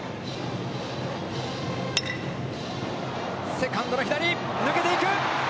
セカンドの左、抜けていく！